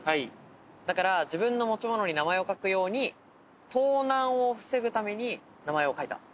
だから自分の持ち物に名前を書くように「とうなんを防ぐ」ために名前を書いた。